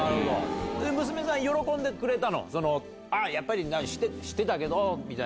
娘さん、喜んでくれたの、その、ああ、やっぱり知ってたけどみたいな。